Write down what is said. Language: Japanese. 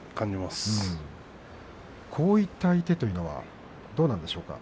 こういった相手というのはどうなんでしょうか。